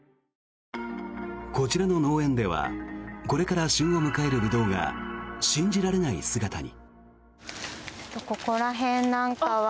こちらの農園ではこれから旬を迎えるブドウが信じられない姿に。